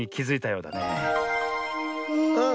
うん。